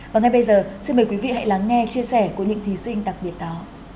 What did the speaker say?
và ngay bây giờ xin mời quý vị hãy lắng nghe chia sẻ của những thí sinh đặc biệt đó